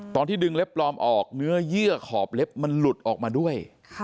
ตอนที่ดึงเล็บปลอมออกเนื้อเยื่อขอบเล็บมันหลุดออกมาด้วย